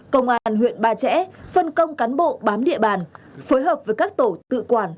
công an huyện ba trẻ phân công cán bộ bám địa bàn phối hợp với các tổ tự quản